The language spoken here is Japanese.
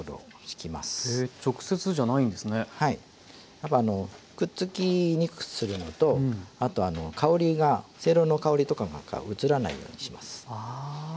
やっぱあのくっつきにくくするのとあと香りがせいろの香りとかなんか移らないようにします。